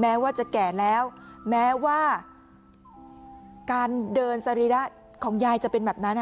แม้ว่าจะแก่แล้วแม้ว่าการเดินสรีระของยายจะเป็นแบบนั้น